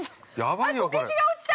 ◆こけしが落ちた！